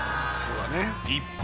一方